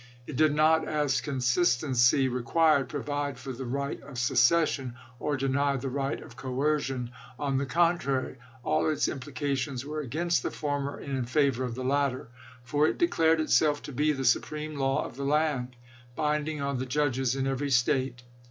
It did not, as consistency re chap. xin. quired, provide for the right of secession, or deny the right of coercion ; on the contrary, all its impli cations were against the former and in favor of the latter; for it declared itself to be the supreme law of the land, binding on the judges in every State.